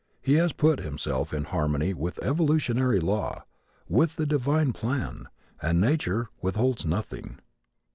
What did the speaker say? He has put himself in harmony with evolutionary law with the divine plan, and nature withholds nothing.